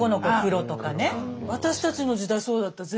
私たちの時代そうだった。